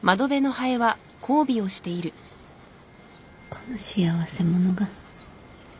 この幸せ者が。